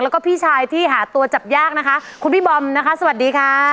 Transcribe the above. แล้วก็พี่ชายที่หาตัวจับยากนะคะคุณพี่บอมนะคะสวัสดีค่ะ